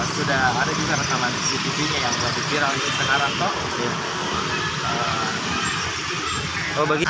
sudah ada juga rekaman cctv nya yang jadi viral sekarang pak